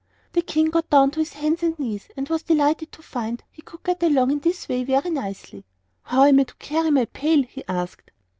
The King got down on his hands and knees, and was delighted to find he could get along in this way very nicely. "How am I to carry my pail?" he asked.